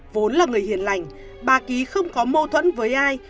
vốn là người hiền lành bà ký không có mâu thuẫn với ai